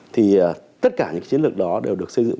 thì tất cả những chiến lược đó đều được xây dựng